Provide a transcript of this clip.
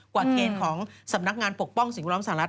กว่าเกณฑ์ของสำนักงานปกป้องศิลป์ร้อมสหรัฐ